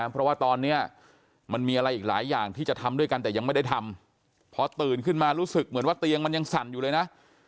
เพราะว่าตอนนี้มันมีอะไรอีกหลายอย่างที่จะทำด้วยกันแต่ยังไม่ได้ทำพอตื่นขึ้นมารู้สึกเหมือนว่าเตียงมันยังสั่นอยู่เลยนะ